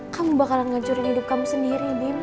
kamu bakalan ngancurin hidup kamu sendiri bim